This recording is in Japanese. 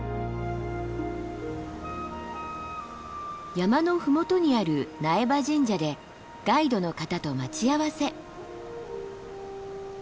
山の麓にある苗場神社でガイドの方と待ち合わせ。